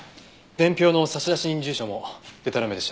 伝票の差出人住所もでたらめでした。